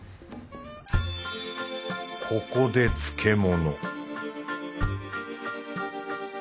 ここで漬け物